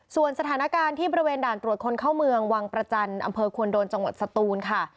ส่วนสถานการณ์ที่บริเวณด่านตรวจคนเข้าเมืองวังประจันทร์อำเภอควรโดนจังหวัดสตูนค่ะ